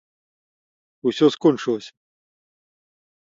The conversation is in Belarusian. Усё скончылася.